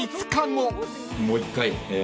もう１回え